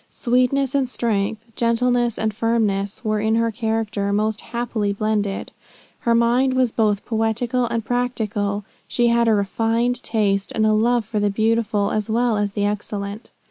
Sweetness and strength, gentleness and firmness, were in her character most happily blended. Her mind was both poetical and practical. She had a refined taste, and a love for the beautiful as well as the excellent."